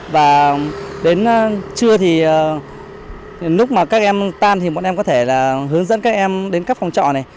và đến trưa thì lúc mà các em tan thì bọn em có thể là hướng dẫn các em đến các phòng trọ này